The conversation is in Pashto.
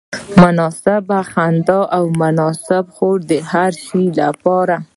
مناسبه خندا او مناسب خوب د هر شي لپاره.